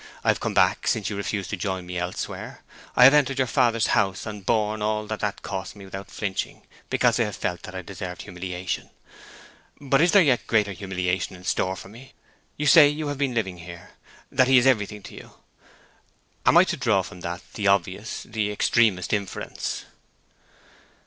I have come back since you refused to join me elsewhere—I have entered your father's house, and borne all that that cost me without flinching, because I have felt that I deserved humiliation. But is there a yet greater humiliation in store for me? You say you have been living here—that he is everything to you. Am I to draw from that the obvious, the extremest inference?"